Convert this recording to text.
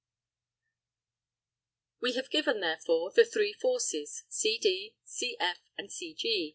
We have given, therefore, the three forces, CD, CF, and CG.